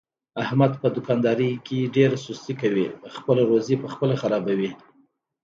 احمد په دوکاندارۍ کې ډېره سستي کوي، خپله روزي په خپله خرابوي.